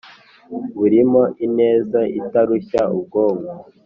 burimo ineza itarushya ubwonko